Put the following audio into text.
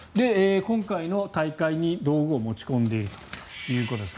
今回の大会に道具を持ち込んでいるということです。